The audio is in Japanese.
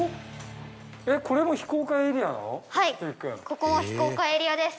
ここも非公開エリアです。